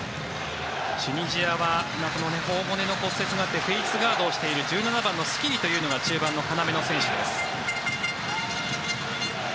チュニジアは頬骨の骨折があってフェースガードをしている１７番のスキリというのが中盤の要の選手です。